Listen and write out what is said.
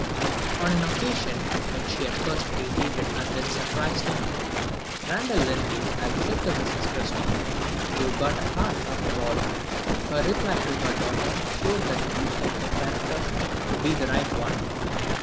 On an occasion when she had first irritated and then surprised him, Randal Linley had said to Mrs. Presty, "You have got a heart, after all!" Her reply to her daughter showed that view of her character to be the right one.